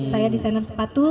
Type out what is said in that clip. saya designer sepatu